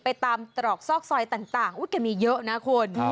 ไปตามตรอกซอกซอยต่างแกมีเยอะนะคุณ